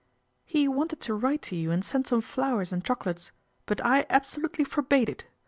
" He wanted to write to you and send some flowers and chocolates ; but I absolutely forbade it.